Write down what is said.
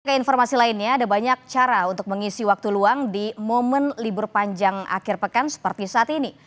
keinformasi lainnya ada banyak cara untuk mengisi waktu luang di momen libur panjang akhir pekan seperti saat ini